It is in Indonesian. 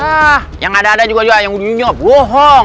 hah yang nggak ada ada juga jual yang udah nyuruh bohong